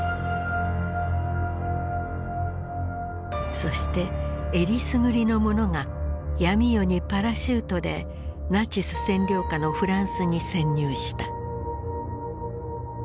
そしてえりすぐりの者が闇夜にパラシュートでナチス占領下のフランスに潜入した。